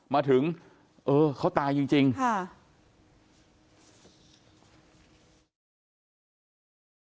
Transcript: มาถึงเออเขาตายจริงจริงค่ะ